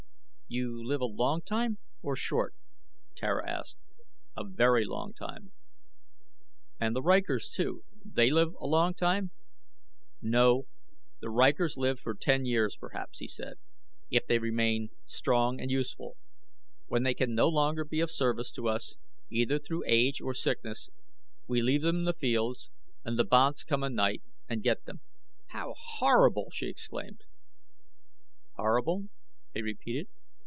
"You live a long time, or short?" Tara asked. "A very long time." "And the rykors, too; they live a long time?" "No; the rykors live for ten years, perhaps," he said, "if they remain strong and useful. When they can no longer be of service to us, either through age or sickness, we leave them in the fields and the banths come at night and get them." "How horrible!" she exclaimed. "Horrible?" he repeated.